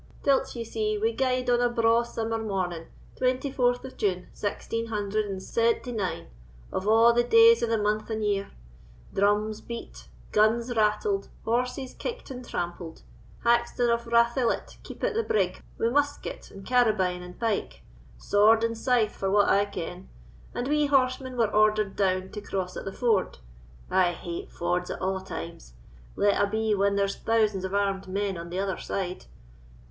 Till't, ye see, we gaed on a braw simmer morning, twenty fourth of June, saxteen hundred and se'enty nine, of a' the days of the month and year—drums beat, guns rattled, horses kicked and trampled. Hackstoun of Rathillet keepit the brig wi' mustket and carabine and pike, sword and scythe for what I ken, and we horsemen were ordered down to cross at the ford,—I hate fords at a' times, let abee when there's thousands of armed men on the other side.